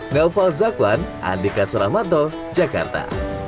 naufal zakwan andika suramanto jakarta